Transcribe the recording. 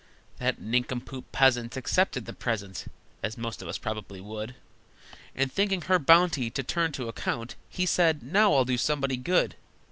That nincompoop peasant Accepted the present, (As most of us probably would,) And, thinking her bounty To turn to account, he Said: "Now I'll do somebody good!